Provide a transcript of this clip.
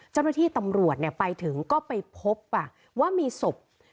เจ้าหน้าที่ตำรวจไปถึงก็ไปพบว่ามีศพ